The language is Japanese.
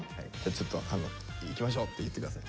ちょっとあの「いきましょう」って言ってください。